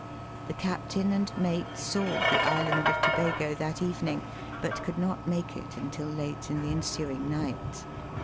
The captain and mate saw the Island of Tobago that evening, but could not make it until late in the ensuing night.